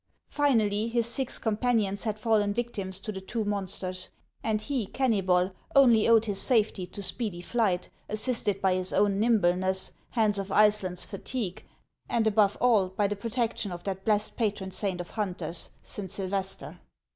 Finally, his six companions had fallen victims to the two monsters, and he, Kennybol, only owed his safety to speedy flight, assisted by his own nimble ness, Hans of Iceland's fatigue, and above all, by the protection of that blessed patron saint of hunters, Saint Sylvester.